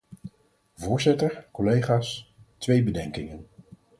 Voorzitter, collega's, twee bedenkingen.